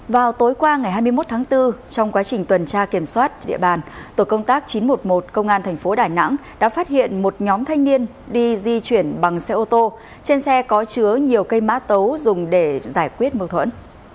vào tối qua ngày hai mươi một tháng bốn trong quá trình tuần tra kiểm soát địa bàn tổ công tác chín trăm một mươi một công an thành phố đà nẵng đã phát hiện một nhóm thanh niên đi di chuyển bằng xe ô tô trên xe có chứa nhiều cây mã tấu dùng để giải quyết mâu thuẫn